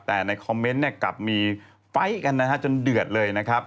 แต่ในคอมเมนต์เนี่ยกลับมีไฟล์กันนะฮะจนเดือดเลยนะครับ